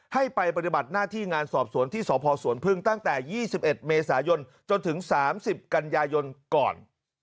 ให้ไปปฏิบัติหน้าที่งานสอบสวนที่สพสวนพึ่งตั้งแต่๒๑เมษายนจนถึง๓๐กันยายนก่อน